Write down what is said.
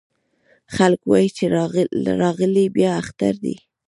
خلک وايې چې راغلی بيا اختر دی